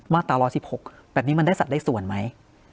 ตรา๑๑๖แบบนี้มันได้สัดได้ส่วนไหม